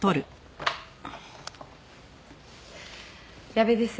矢部です。